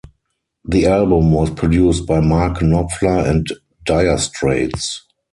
The album was produced by Mark Knopfler and Dire Straits.